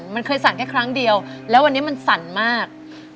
มันเคยสั่นแค่ครั้งเดียวแล้ววันนี้มันสั่นมาก